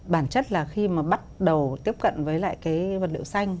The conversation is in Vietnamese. bản chất là khi mà bắt đầu tiếp cận với lại cái vật liệu xanh